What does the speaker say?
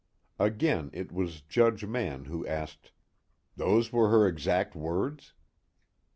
'" Again it was Judge Mann who asked: "Those were her exact words?"